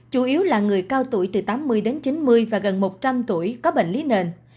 chủ yếu là người cao tuổi từ tám mươi đến chín mươi và gần một trăm linh tuổi có bệnh lý nền